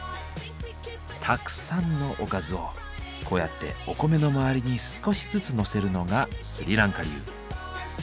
たくさんのおかずをこうやってお米の周りに少しずつのせるのがスリランカ流。